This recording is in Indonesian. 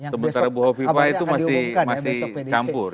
sementara bu hovifah itu masih campur